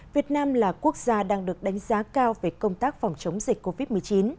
việt nam là quốc gia đang được đánh giá cao về công tác phòng chống dịch covid một mươi chín